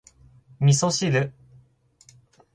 味噌汁